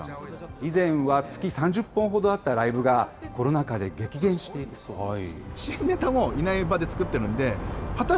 以前は月３０本ほどあったライブがコロナ禍で激減しているそうです。